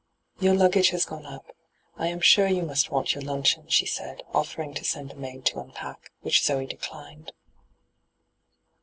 'Your luggage has gone up. I am sure you must want your luncheon,* she said, offer ing to send a maid to unpack, which Zoe declined.